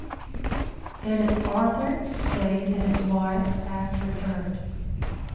It is Arthur to say that his wife has returned.